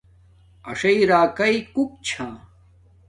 اݽݵ راکاݵ کوک چھا